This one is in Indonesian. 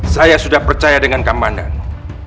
saya sudah percaya dengan kak mandandu